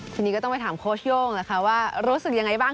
ทีนี้ก็ต้องไปถามโค้ชโย่งนะคะว่ารู้สึกยังไงบ้าง